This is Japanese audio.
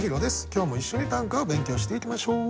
今日も一緒に短歌を勉強していきましょう。